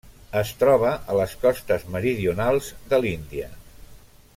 Es troba a les costes meridionals de l'Índia.